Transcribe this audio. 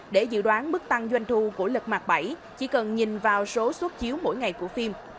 để dự đoán mức tăng doanh thu của lật mặt bảy chỉ cần nhìn vào số xuất chiếu mỗi ngày của phim